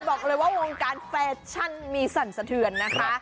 บอกเลยว่าวงการแฟชั่นมีสั่นสะเทือนนะคะ